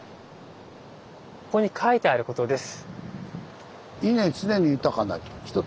ここに書いてあることです。